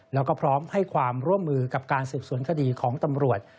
แล้วก็พร้อมให้ความร่วมมือกับการสืบสวนคดีของตำรวจ